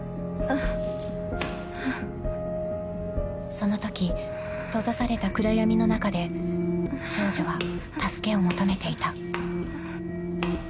［そのとき閉ざされた暗闇の中で少女は助けを求めていた］